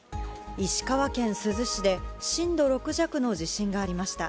石川県珠洲市で震度６弱の地震がありました。